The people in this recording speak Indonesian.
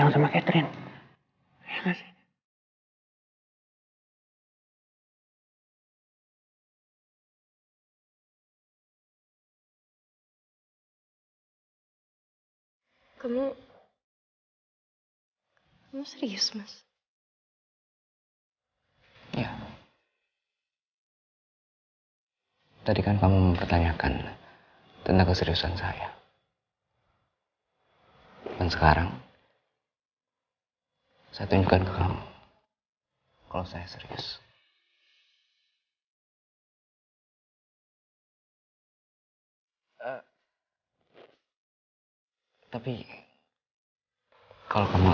cik ya aku mau vlog dulu